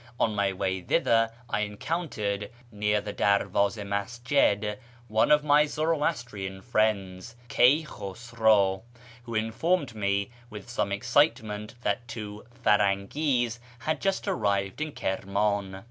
On my way thither I encountered, near the Derivdz6 i Masjid, one of my Zoroastrian friends, Key Khosraw, who informed me with some excitement that two " Firangi's " had just arrived in Kirman.